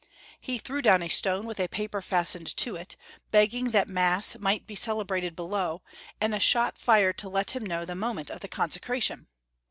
He threw down a stone with a paper fastened to it, begging that Mass might be celebrated below, and a shot fired to let him know the moment of the consecration.